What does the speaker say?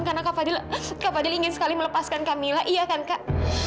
karena kak fadil kak fadil ingin sekali melepaskan kak mila iya kan kak